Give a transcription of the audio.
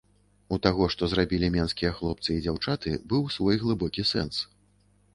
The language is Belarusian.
У таго, што зрабілі менскія хлопцы і дзяўчаты, быў свой глыбокі сэнс.